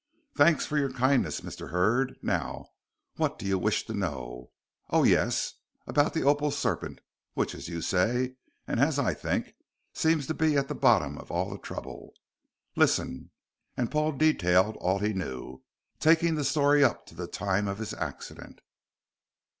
Thanks for your kindness, Mr. Hurd. Now, what do you wish to know? Oh, yes about the opal serpent, which, as you say, and as I think, seems to be at the bottom of all the trouble. Listen," and Paul detailed all he knew, taking the story up to the time of his accident.